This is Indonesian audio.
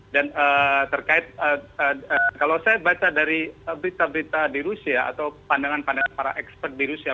dan terkait kalau saya baca dari berita berita di rusia atau pandangan pandangan para ekspert di rusia